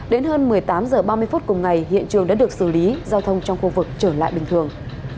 đến hơn một mươi tám h ba mươi phút cùng ngày hiện trường đã được xử lý giao thông trong khu vực trở lại bình thường